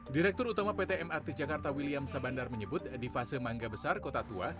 direktur utama pt mrt jakarta william sabandar menyebut di fase mangga besar kota tua